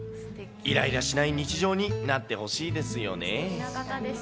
イライラしない日常になってほしいですよね。